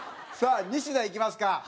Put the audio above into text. さあ西田いきますか。